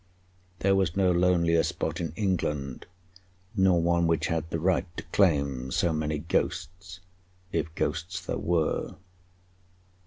There was no lonelier spot in England, nor one which had the right to claim so many ghosts, if ghosts there were.